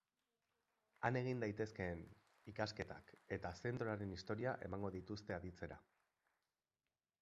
Han egin daitezkeen ikasketak eta zentroaren historia emango dituzte aditzera.